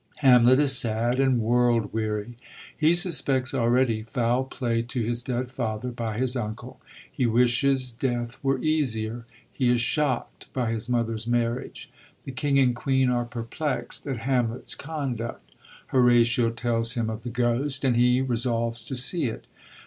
Hamlet is sad and world weary; he sus pects already foul play to his dead father by his uncle ; he wishes death were easier; he is shockt by his mother's marriage. The king and queen are perplext at Hamlet's conduct. Horatio tells him of the ghost, and he resolves to see it.